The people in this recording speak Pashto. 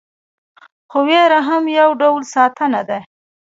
خو ویره هم یو ډول ساتنه ده.